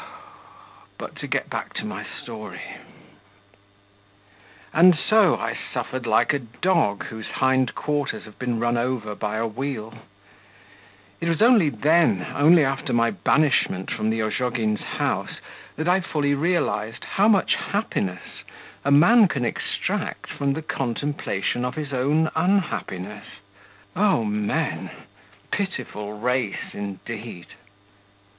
But to get back to my story. And so, I suffered like a dog, whose hindquarters have been run over by a wheel. It was only then, only after my banishment from the Ozhogins' house, that I fully realised how much happiness a man can extract from the contemplation of his own unhappiness. O men! pitiful race, indeed!